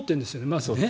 まずね。